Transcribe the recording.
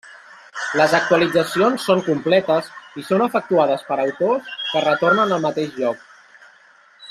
Les actualitzacions són completes i són efectuades per autors que retornen al mateix lloc.